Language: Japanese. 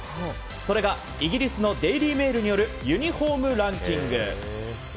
それが、イギリスのデイリー・メールによるユニホームランキング。